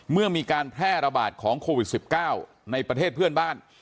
เมื่อมีการแพร่ระบาดของโควิด๑๙ในประเทศเพื่อนบ้าน